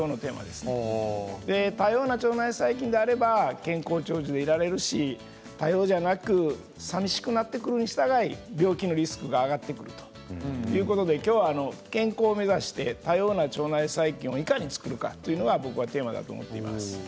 で多様な腸内細菌があれば健康長寿でいられるし多様じゃなくさみしくなってくるにしたがい病気のリスクが上がってくるということで今日は健康を目指して多様な腸内細菌をいかに作るかというのが僕はテーマだと思っています。